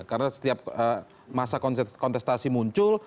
karena setiap masa kontestasi muncul